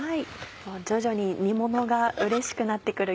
徐々に煮ものがうれしくなって来る